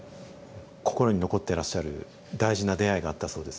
心に残ってらっしゃる大事な出会いがあったそうですね。